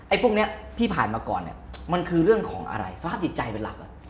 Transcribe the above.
พวกนี้ที่ผ่านมาก่อนเนี่ยมันคือเรื่องของอะไรสภาพจิตใจเป็นหลัก